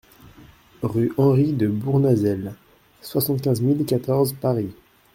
RUE HENRY DE BOURNAZEL, soixante-quinze mille quatorze Paris